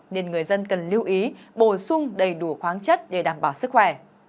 nên người dân cần lưu ý bổ sung đầy đủ khoáng chất để đảm bảo sức khỏe